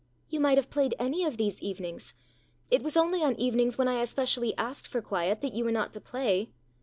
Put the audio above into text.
" You might have played any of these evenings. It was only on evenings when I especially asked for quiet that you were not to play."